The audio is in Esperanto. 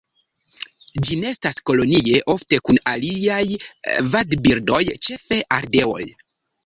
Ĝi nestas kolonie ofte kun aliaj vadbirdoj ĉefe ardeoj.